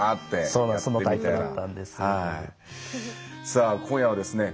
さあ今夜はですね